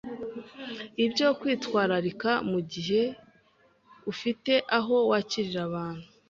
ibyo kwitwararika mu gihe ufite aho wakirira abantu